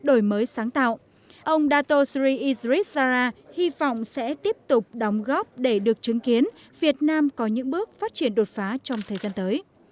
ông dato siri idrit zala hy vọng sẽ tiếp tục đóng góp để được chứng kiến việt nam có những bước phát triển đột phá trong thời gian tới